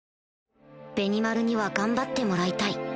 ベニマルには頑張ってもらいたい